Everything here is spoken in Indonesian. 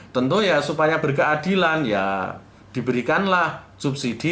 tentu ya supaya berkeadilan ya diberikanlah subsidi